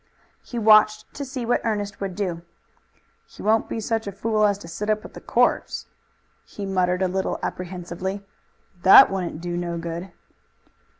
He watched to see what Ernest would do. "He won't be such a fool as to sit up with the corpse," he muttered a little apprehensively. "That wouldn't do no good."